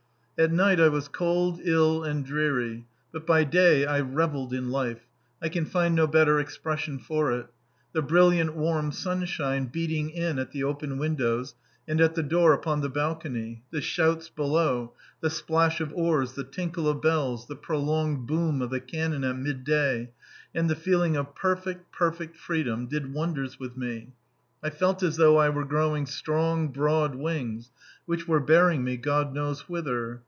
At night I was cold, ill, and dreary, but by day I revelled in life I can find no better expression for it. The brilliant warm sunshine beating in at the open windows and at the door upon the balcony, the shouts below, the splash of oars, the tinkle of bells, the prolonged boom of the cannon at midday, and the feeling of perfect, perfect freedom, did wonders with me; I felt as though I were growing strong, broad wings which were bearing me God knows whither.